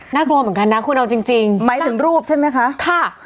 กลัวเหมือนกันนะคุณเอาจริงหมายถึงรูปใช่ไหมคะค่ะ